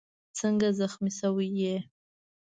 څنګه زخمي شوی یې؟